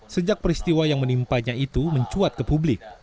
sejak peristiwa yang menimpanya itu mencuat ke publik